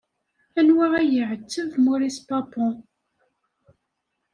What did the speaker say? Anwa ay iɛetteb Maurice Papon?